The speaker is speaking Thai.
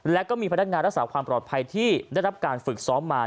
แล้วก็มีพนักงานรักษาความปลอดภัยที่ได้รับการฝึกซ้อมมา